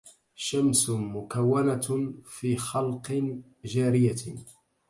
شمس مكونة في خلق جارية